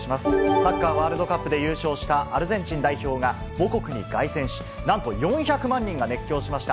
サッカーワールドカップで優勝したアルゼンチン代表が母国に凱旋し、なんと４００万人が熱狂しました。